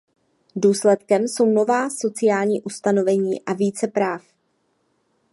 Důsledkem jsou nová sociální ustanovení a více práv.